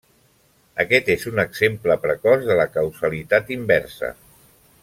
Aquest és un exemple precoç de la causalitat inversa.